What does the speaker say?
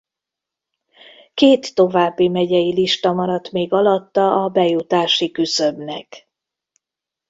Két további megyei lista maradt még alatta a bejutási küszöbnek.